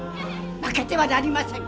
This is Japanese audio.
負けてはなりません。